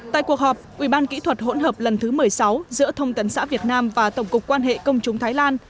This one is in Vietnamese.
tại cuộc họp ubkh lần thứ một mươi sáu giữa thông tấn xã việt nam và tổng cục quan hệ công chúng thái lan